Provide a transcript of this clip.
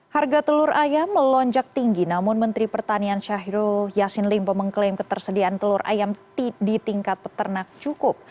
harga telur ayam melonjak tinggi namun menteri pertanian syahrul yassin limpo mengklaim ketersediaan telur ayam di tingkat peternak cukup